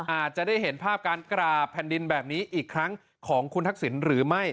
อาจจะได้เห็นภาพการกราบแผ่นดินแบบนี้อีกครั้งของคุณทักษิณหรือไม่